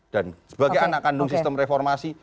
dan sebagai anak kandung sistem reformasi